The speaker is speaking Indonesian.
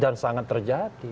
dan sangat terjadi